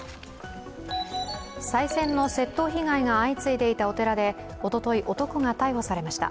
さい銭の窃盗被害が相次いでいてお寺でおととい男が逮捕されました。